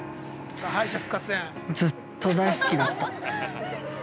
ずっと大好きだった。